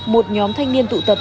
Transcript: một nhóm thanh niên tụ tập